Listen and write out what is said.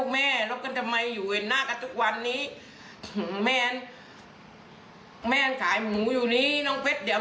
แม่เขาพูดอย่างเงี้ย